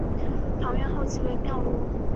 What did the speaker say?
堂院后即为墓庐。